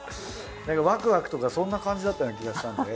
ワクワクとかそんな感じだったような気がしたんで。